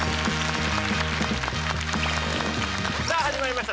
さあ始まりました